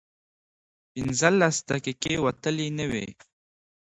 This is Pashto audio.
پينځلس دقيقې وتلې نه وې.